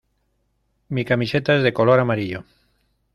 Mi camiseta es de color amarillo.